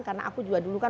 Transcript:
karena aku juga dulu kan